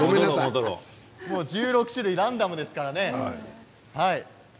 １６種類ランダムですからね。